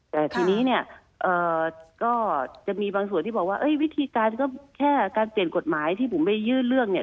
แต่ทีนี้เนี่ยก็จะมีบางส่วนที่บอกว่าวิธีการก็แค่การเปลี่ยนกฎหมายที่ผมไปยื่นเรื่องเนี่ย